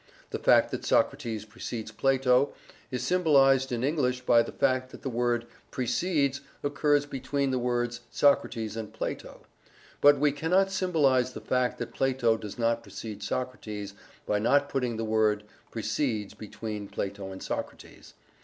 The fact that Socrates precedes Plato is symbolized in English by the fact that the word "precedes" occurs between the words "Socrates" and "Plato." But we cannot symbolize the fact that Plato does not precede Socrates by not putting the word "precedes" between "Plato" and "Socrates."